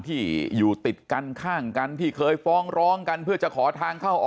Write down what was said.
ที่อยู่ติดกันข้างกันที่เคยฟ้องร้องกันเพื่อจะขอทางเข้าออก